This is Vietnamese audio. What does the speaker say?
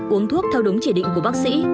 uống thuốc theo đúng chỉ định của bác sĩ